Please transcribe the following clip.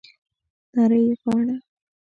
نرۍ غاړه